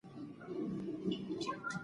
ټیکنالوژي د پرمختګ یو راز دی.